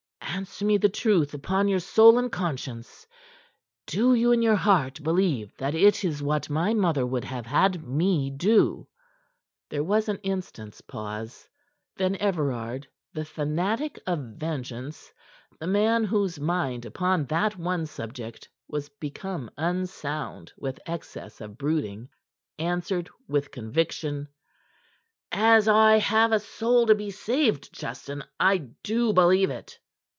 "Answer me the truth upon your soul and conscience: Do you in your heart believe that it is what my mother would have had me do?" There was an instant's pause. Then Everard, the fanatic of vengeance, the man whose mind upon that one subject was become unsound with excess of brooding, answered with conviction: "As I have a soul to be saved, Justin, I do believe it.